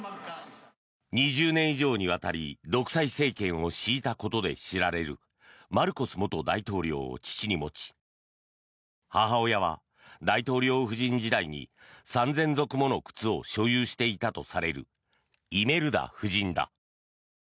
２０年以上にわたり独裁政権を敷いたことで知られるマルコス元大統領を父に持ち母親は大統領夫人時代に３０００足もの靴を所有していたとされるイメルダ夫人だ。